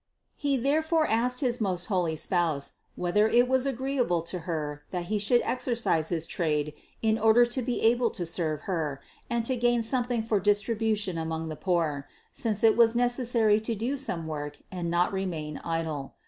He therefore asked his most holy Spouse, whether it was agreeable to Her, that he should exercise his trade in order to be able to serve Her and to gain something for distribution among the poor ; since it was necessary to do some work and not to remain idle.